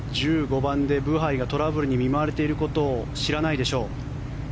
１５番でブハイがトラブルに見舞われていることを知らないでしょう。